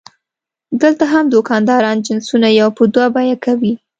دلته هم دوکانداران جنسونه یو په دوه بیه کوي.